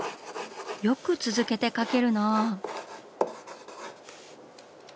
よく続けて描けるなぁ。